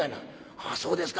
「ああそうですか。